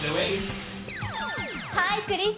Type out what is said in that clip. ハーイクリス！